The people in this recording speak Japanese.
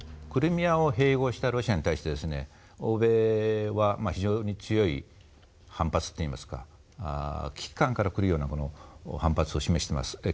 クリミアを併合したロシアに対して欧米は非常に強い反発といいますか危機感からくるような反発を示しています。